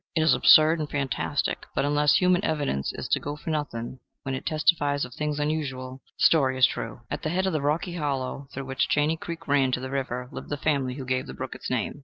It is absurd and fantastic, but, unless human evidence is to go for nothing when it testifies of things unusual, the story is true. At the head of the rocky hollow through which Chaney Creek ran to the river, lived the family who gave the brook its name.